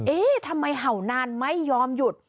เอ๊ะทำไมเห่านานไม่ยอมหยุด